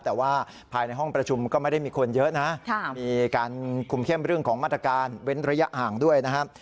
แต่ว่าภายในห้องประชุมก็ไม่ได้มีคนเยอะนะมีการคุมเข้มเรื่องของมาตรการเว้นระยะห่างด้วยนะครับ